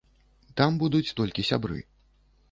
Там будуць толькі сябры.